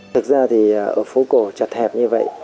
thực ra thì ở phố cổ chật hẹp như vậy